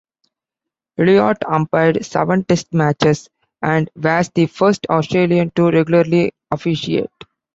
Elliott umpired seven Test matches, and was the first Australian to regularly officiate.